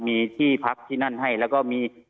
มีที่พักที่นั่นให้แล้วก็มี